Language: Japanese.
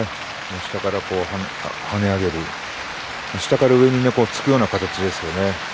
下から、はね上げる下から上に突くような形ですね。